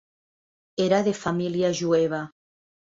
Era de família jueva.